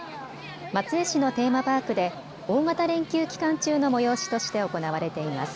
松江市のテーマパークで、大型連休期間中の催しとして行われています。